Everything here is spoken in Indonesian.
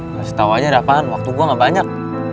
kasih tau aja ada apaan waktu gua gak banyak